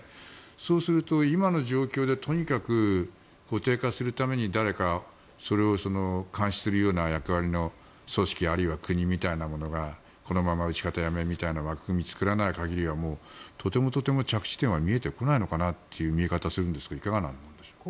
そうすると、今の状況でとにかく固定化するために誰かそれを監視するような役割の組織、あるいは国みたいなものがこのまま撃ち方やめみたいな枠組みを作らない限りはとてもとても着地点は見えてこないのかなという見え方がするんですがいかがですか。